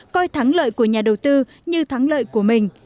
coi thắng lợi của nhà đầu tư như thắng lợi của mình